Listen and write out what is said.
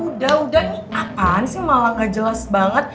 udah udah nih kapan sih malah gak jelas banget